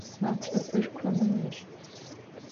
Natrıfır konım yilh.